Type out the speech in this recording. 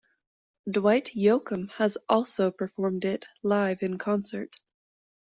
Dwight Yoakam has also performed it live in concert.